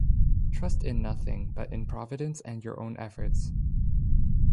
Trust in nothing but in Providence and your own efforts.